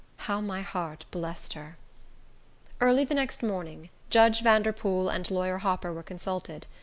How my heart blessed her! Early the next morning, Judge Vanderpool and Lawyer Hopper were consulted.